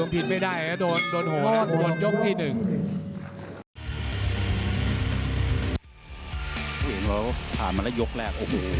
ก็เห็นเราผ่านมาแล้วยกแรกโอ้โหว้ยยย